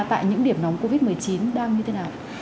tại những điểm nóng covid một mươi chín đang như thế nào